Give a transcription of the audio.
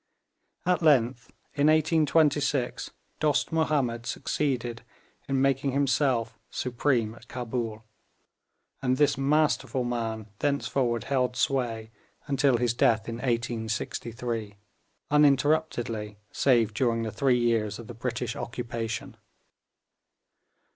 At length in 1826, Dost Mahomed succeeded in making himself supreme at Cabul, and this masterful man thenceforward held sway until his death in 1863, uninterruptedly save during the three years of the British occupation.